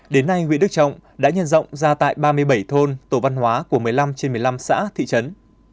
đến nay huyện đức trọng đã nhận rộng ra tại ba mươi bảy thôn tổ văn hóa của một mươi năm trên một mươi năm xã thị trấn